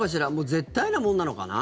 絶対なものなのかな。